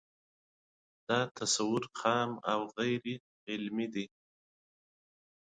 دا تصور خام او غیر علمي دی